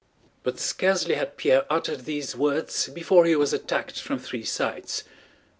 But scarcely had Pierre uttered these words before he was attacked from three sides.